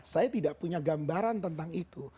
saya tidak punya gambaran tentang itu